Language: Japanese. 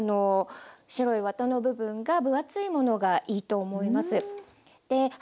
白いワタの部分が分厚いものがいいと思います。